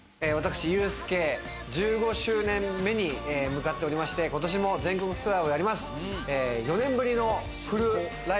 私、遊助、１５周年目に向かっておりまして、ことしも全国ツアーをやります。